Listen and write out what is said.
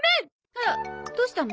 あらどうしたの？